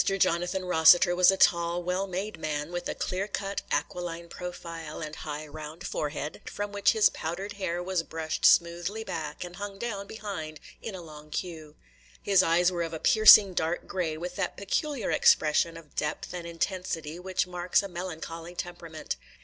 Jonathan Rossiter was a tall, well made man, with a clear cut, aquiline profile, and high round forehead, from which his powdered hair was brushed smoothly back and hung down behind in a long cue. His eyes were of a piercing dark gray, with that peculiar expression of depth and intensity which marks a melancholy temperament.